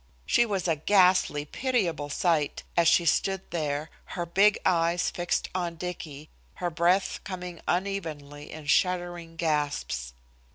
She was a ghastly, pitiable sight, as she stood there, her big eyes fixed on Dicky, her breath coming unevenly in shuddering gasps.